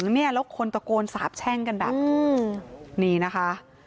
เนี่ยแล้วคนตะโกนสาบแช่งกันแบบนี้นะคะ